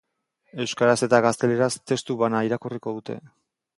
Euskaraz eta gazteleraz testu bana irakurriko dute.